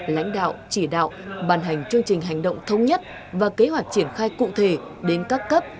lãnh đạo chỉ đạo bàn hành chương trình hành động thông nhất và kế hoạch triển khai cụ thể đến các cấp